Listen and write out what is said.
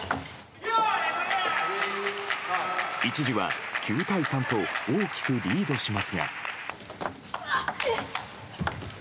一時は、９対３と大きくリードしますが。